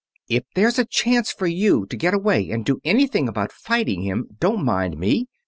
"If there's a chance for you to get away and do anything about fighting him, don't mind me.